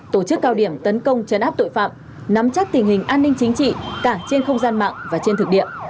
tổ chức cao điểm tấn công chấn áp tội phạm nắm chắc tình hình an ninh chính trị cả trên không gian mạng và trên thực địa